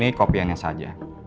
ini kopiannya saja